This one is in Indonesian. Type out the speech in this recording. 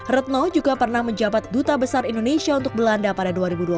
retno juga pernah menjabat duta besar indonesia untuk belanda pada dua ribu dua belas